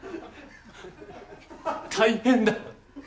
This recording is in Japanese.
大変だ。